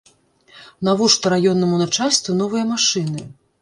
Навошта раённаму начальству новыя машыны?